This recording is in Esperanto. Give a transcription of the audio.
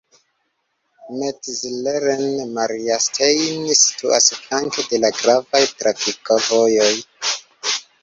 Metzleren-Mariastein situas flanke de la gravaj trafikvojoj.